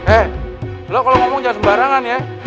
eh loh kalau ngomong jangan sembarangan ya